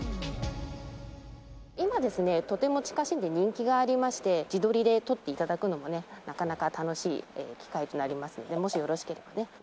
今ですねとても地下神殿人気がありまして自撮りで撮って頂くのもねなかなか楽しい機会となりますのでもしよろしければね。